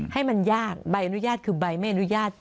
ให้มันยากใบอนุญาตคือใบไม่อนุญาต